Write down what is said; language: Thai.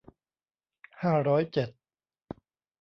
ห้าร้อยเจ็ด